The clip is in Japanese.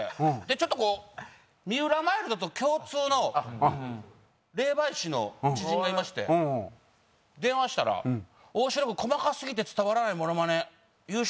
ちょっと三浦マイルドと共通の霊媒師の知人がいまして電話したら大城君細かすぎて伝わらないモノマネ優勝